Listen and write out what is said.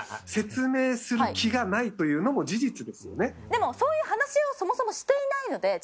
でもそういう話をそもそもしていないのでちゃんと。